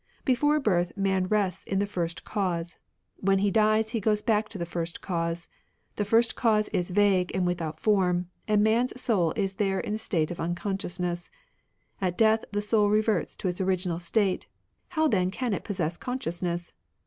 Before birth man rests in the First Cause ; when he dies he goes back to the First Cause. The First Cause is vague and without form, and man's soul is there in a state of unconscious ness, ^t death the soul reverts to its original state ; how then can it possess consciousness?